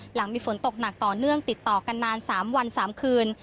หลังมีฝนตกหนักต่อเนื่องติดต่อกันนาน๓วัน๓คืน